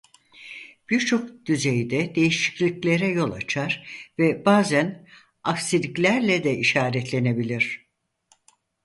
Birçok düzeyde değişikliklere yol açar ve bazen aksiliklerle de işaretlenebilir.